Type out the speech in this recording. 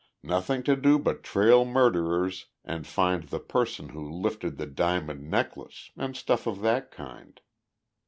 "Nothing to do but trail murderers and find the person who lifted the diamond necklace and stuff of that kind.